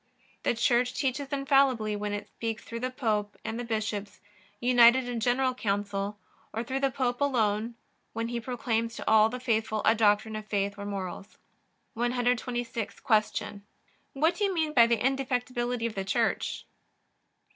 The Church teaches infallibly when it speaks through the Pope and the bishops, united in general council, or through the Pope alone when he proclaims to all the faithful a doctrine of faith or morals. 126. Q. What do you mean by the indefectibility of the Church?